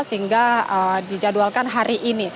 sehingga dijadwalkan hari ini